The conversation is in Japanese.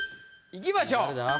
いきましょう。